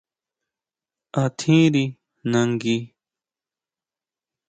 ¿A tjiri nangui?